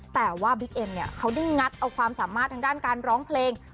แต่ว่าบิ๊กเอ็มเนี่ยเขาได้งัดเอาความสามารถทางด้านการร้องเพลง